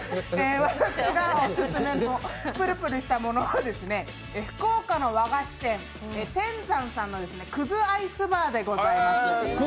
私がオススメのプルプルしたものは福岡の和菓子店、天山さんの葛アイスバーでございます。